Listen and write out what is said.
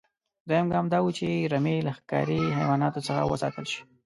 دویم ګام دا و چې رمې له ښکاري حیواناتو څخه وساتل شي.